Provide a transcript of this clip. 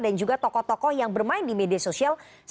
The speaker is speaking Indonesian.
dan juga tokoh tokoh yang bermain di media sosial